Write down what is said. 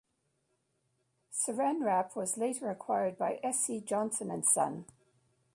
"Saran Wrap" was later acquired by S. C. Johnson and Son.